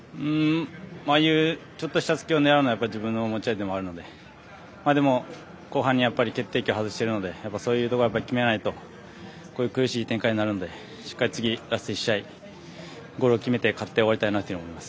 ああいうちょっとした隙を狙うのは自分の持ち味でもあるので、でも後半にやっぱり決定機を外しているのでそういうところは決めないとこうやって苦しい展開になるのでしっかり次、ラスト１試合ゴールを決めたいと思います。